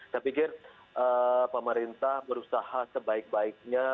saya pikir pemerintah berusaha sebaik baiknya